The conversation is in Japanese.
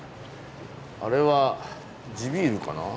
あれは地ビールかな？